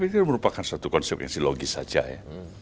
saya pikir merupakan satu konsep yang silogis saja ya